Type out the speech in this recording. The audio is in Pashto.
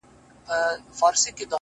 • خالي کړي له بچو یې ځالګۍ دي ,